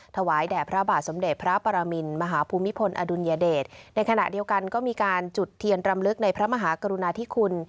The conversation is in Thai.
ถวายแด่พระบาทสมเด็จพระปรมินมหาภูมิพลอดุลยเดชในขณะเดียวกันก็มีการจุดเทียนรำลึกในพระมหากรุณาธิคุณ